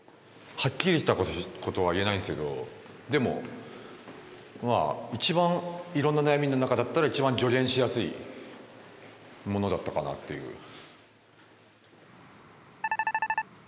はっきりしたことは言えないんですけどでもまあ一番いろんな悩みの中だったら一番助言しやすいものだったかなという。